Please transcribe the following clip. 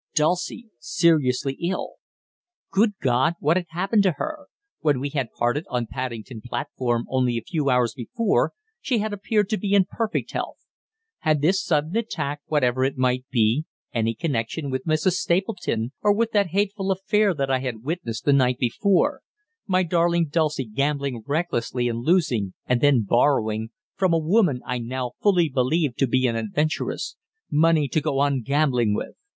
Dulcie seriously ill! Good God, what had happened to her when we had parted on Paddington platform only a few hours before she had appeared to be in perfect health. Had this sudden attack, whatever it might be, any connection with Mrs. Stapleton, or with that hateful affair that I had witnessed the night before my darling Dulcie gambling recklessly and losing, and then borrowing from a woman I now fully believed to be an adventuress money to go on gambling with?